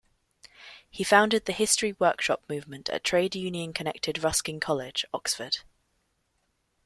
He founded the History Workshop movement at trade union connected Ruskin College, Oxford.